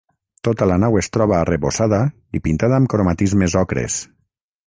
Tota la nau es troba arrebossada i pintada amb cromatismes ocres.